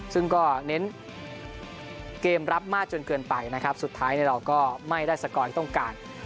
ซึ่งก็เน้นเกมรับมากจนเกินไปนะครับสุดท้ายเราก็ไม่ได้สกอร์ที่ต้องการ